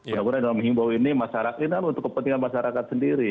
mudah mudahan dalam menghimbau ini masyarakat ini kan untuk kepentingan masyarakat sendiri